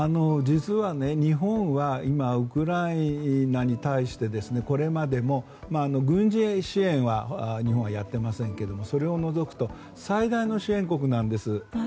実は日本は今、ウクライナに対してこれまでも軍事支援は日本はやっていませんがそれを除くと最大の支援国なんです。